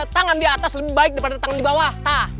tangan di atas lebih baik daripada tangan di bawah